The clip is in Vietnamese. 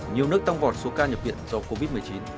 nhiều nước tăng vọt số ca nhập viện do covid một mươi chín